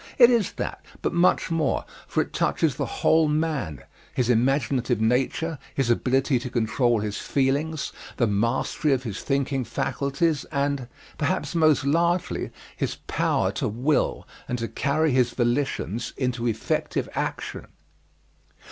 It is that, but much more, for it touches the whole man his imaginative nature, his ability to control his feelings, the mastery of his thinking faculties, and perhaps most largely his power to will and to carry his volitions into effective action.